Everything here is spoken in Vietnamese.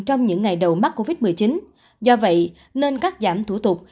trong những ngày đầu mắc covid một mươi chín do vậy nên cắt giảm thủ tục